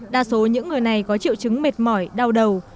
đa số những người này có triệu chứng mệt mỏi đau đầu